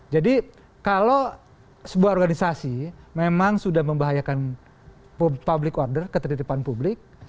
kalau sebuah organisasi memang sudah membahayakan public order ketertiban publik